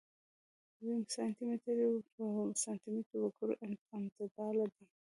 ويم سانتي متر په سانتي متر وګروئ امدلته دي.